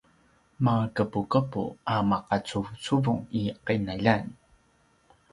maqepuqepu a maqacuvucuvung i qinaljan